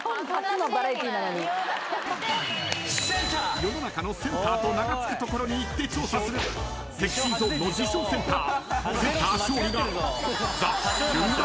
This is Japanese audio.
［世の中のセンターと名が付く所に行って調査するＳｅｘｙＺｏｎｅの自称センター］